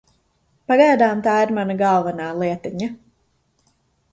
Pagaidām tā ir mana galvenā lietiņa.